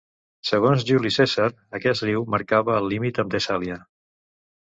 Segons Juli Cèsar aquest riu marcava el límit amb Tessàlia.